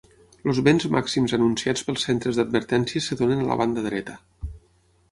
Els vents màxims anunciats pels centres d'advertències es donen a la banda dreta.